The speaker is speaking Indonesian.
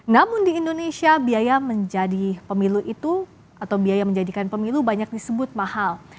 namun di indonesia biaya menjadi pemilu itu atau biaya menjadikan pemilu banyak disebut mahal